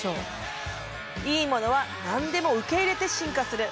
いいものは何でも受け入れて進化する。